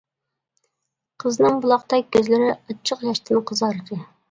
قىزنىڭ بۇلاقتەك كۆزلىرى ئاچچىق ياشتىن قىزاردى.